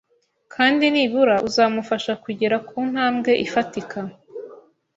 kandi nibura uzamufasha kugera ku ntambwe ifatika